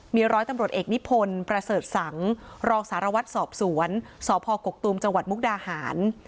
มีร้อยตำรวจเอกนิพนธ์ประเสริฐสังรองสารวัตรสอบสวนสพกกตูมจังหวัดมุกดาหาร